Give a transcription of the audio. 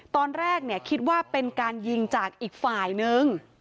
ตอนแรกคิดว่าเป็นการยิงจากอีกฝ่ายนึง